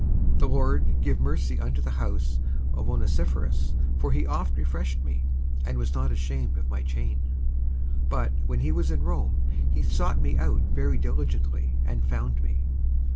55:001:016 The Lord give mercy unto the house of Onesiphorus; for he oft refreshed me, and was not ashamed of my chain: 55:001:017 But, when he was in Rome, he sought me out very diligently, and found me.